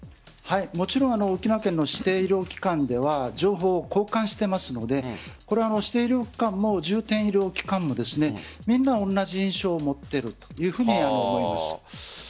もちろん沖縄県の指定医療機関では情報を交換していますので指定医療機関も重点医療機関もみんな同じ印象を持っているというふうに思います。